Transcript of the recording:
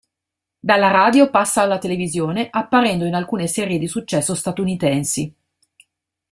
Dalla radio passa alla televisione, apparendo in alcune serie di successo statunitensi.